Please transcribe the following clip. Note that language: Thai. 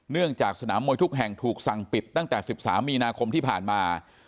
เนื่องจากสนามมวยทุกแห่งถูกสั่งปิดตั้งแต่๑๓มีนาคมที่ผ่านมา